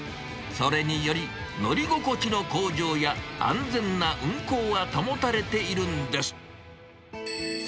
それにより、乗り心地の向上や安全な運行が保たれているんです。